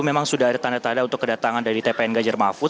memang sudah ada tanda tanda untuk kedatangan dari tpn ganjar mahfud